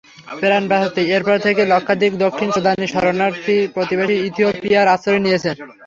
প্রাণ বাঁচাতে এরপর থেকে লক্ষাধিক দক্ষিণ সুদানি শরণার্থী প্রতিবেশী ইথিওপিয়ায় আশ্রয় নিয়েছে।